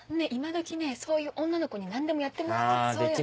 今どきねそういう女の子に何でもやってもらおう。